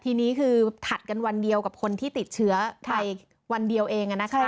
ทีนี้คือถัดกันวันเดียวกับคนที่ติดเชื้อไปวันเดียวเอง